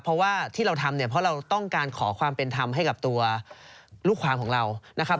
เพราะว่าที่เราทำเนี่ยเพราะเราต้องการขอความเป็นธรรมให้กับตัวลูกความของเรานะครับ